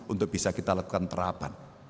untuk bisa kita lakukan terapan